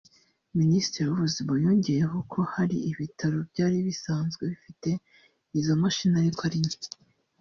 Minisitiri w’Ubuzima yongeyeho ko hari ibitaro byari bisanzwe bifite izo mashini ariko ari nke